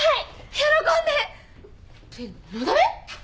喜んで！ってのだめ！？